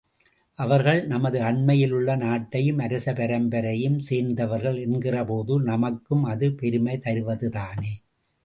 அவர்கள் நமது அண்மையில் உள்ள நாட்டையும் அரச பரம்பரையையும் சேர்ந்தவர்கள் என்கிறபோது நமக்கும் அது பெருமை தருவதுதானே.